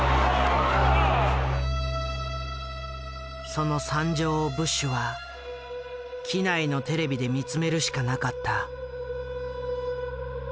その惨状をブッシュは機内のテレビで見つめるしかなかった。